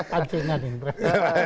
pansingan ini pak